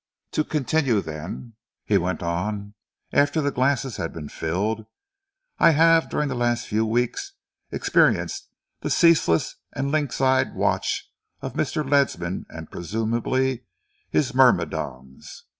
To continue, then," he went on, after the glasses had been filled, "I have during the last few weeks experienced the ceaseless and lynx eyed watch of Mr. Ledsam and presumably his myrmidons.